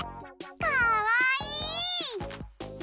かわいい！